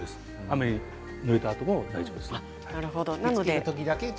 雨にぬれたあとも大丈夫です。